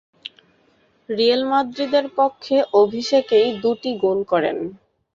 Real মাদ্রিদের পক্ষে অভিষেকেই দু’টি গোল করেন।